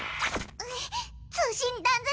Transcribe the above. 通信断絶！